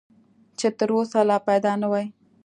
چې تر اوسه لا پیدا نه وي .